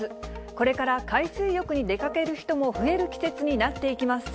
これから海水浴に出かける人も増える季節になっていきます。